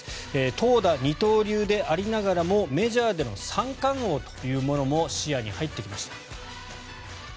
投打二刀流でありながらもメジャーでの三冠王というのも視野に入ってきました。